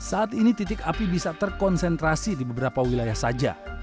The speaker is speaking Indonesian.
saat ini titik api bisa terkonsentrasi di beberapa wilayah saja